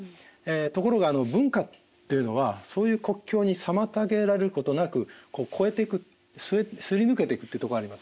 ところが文化というのはそういう国境に妨げられることなくこう越えていくすり抜けていくというとこあります。